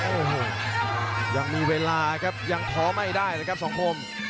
โอ้โหยังมีเวลาครับยังท้อไม่ได้นะครับสองคน